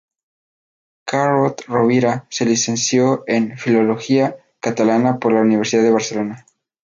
Carod-Rovira se licenció en Filología Catalana por la Universidad de Barcelona.